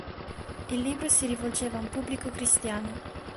Il libro si rivolgeva a un pubblico cristiano.